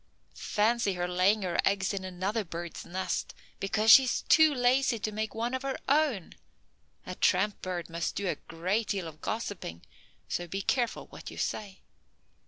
Fancy her laying her eggs in another bird's nest, because she is too lazy to make one of her own! A tramp bird must do a great deal of gossiping, so be careful what you say."